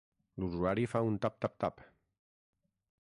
L'usuari fa un tap-tap-tap.